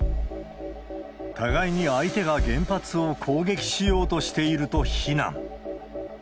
互いに相手が原発を攻撃しようとしていると非難。